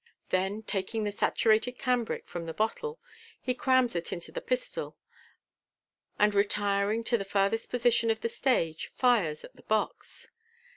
Then taking the saturated cambric from the bottle, he crams it into the pistol, and, retiring to the farthest portion of the stage, fires at the box.